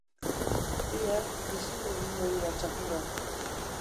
Bihar, isildu egingo dira txakurrak.